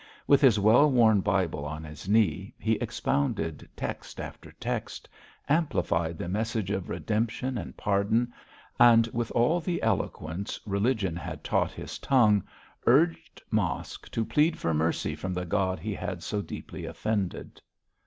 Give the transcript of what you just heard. With his well worn Bible on his knee, he expounded text after text, amplified the message of redemption and pardon, and, with all the eloquence religion had taught his tongue, urged Mosk to plead for mercy from the God he had so deeply offended.